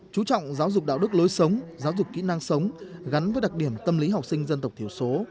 chú trọng giáo dục đạo đức lối sống giáo dục kỹ năng sống gắn với đặc điểm tâm lý học sinh dân tộc thiểu số